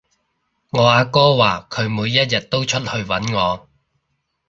我阿哥話佢每一日都出去搵我